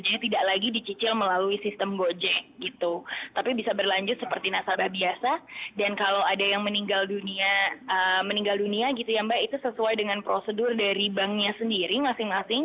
jadi tidak lagi dicicil melalui sistem gojek gitu tapi bisa berlanjut seperti nasabah biasa dan kalau ada yang meninggal dunia gitu ya mbak itu sesuai dengan prosedur dari banknya sendiri masing masing